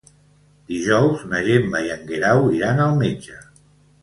Dijous na Gemma i en Guerau iran al metge.